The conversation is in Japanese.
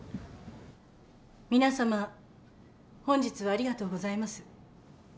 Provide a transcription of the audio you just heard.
皆さま本日はありがとうございます。